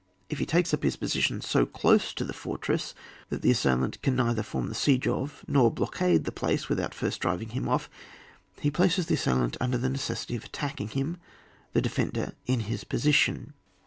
If he takes up his position so dose to the fortress that the assailant can neither form the siege of nor blockade the place without first driving him off, he places the assailant under the necessity of at tacking him, the defender, in his position.